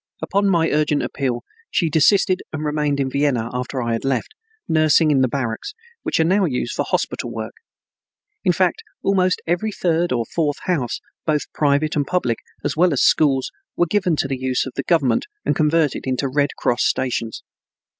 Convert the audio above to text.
Upon my urgent appeal she desisted and remained in Vienna after I had left, nursing in the barracks, which are now used for hospital work. In fact, almost every third or fourth house, both private and public, as well as schools, were given to the use of the government and converted into Red Cross stations.